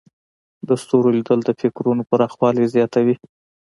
د ستورو لیدل د فکرونو پراخوالی زیاتوي.